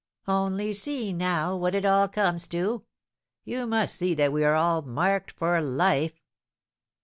"Only see, now, what it all comes to! You must see that we are all marked for life."